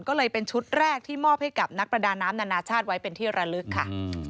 ก็เลยเป็นชุดแรกที่มอบให้กับนักประดาน้ำนานาชาติไว้เป็นที่ระลึกค่ะ